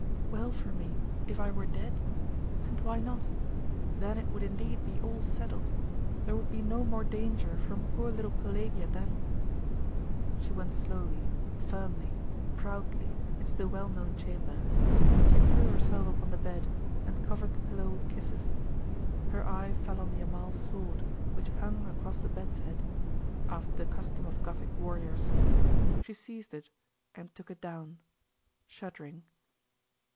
'Well for me if I were dead? And why not? Then it would indeed be all settled. There would be no more danger from poor little Pelagia then....' She went slowly, firmly, proudly, into the well known chamber.... She threw herself upon the bed, and covered the pillow with kisses. Her eye fell on the Amal's sword, which hung across the bed's head, after the custom of Gothic warriors. She seized it, and took it down, shuddering.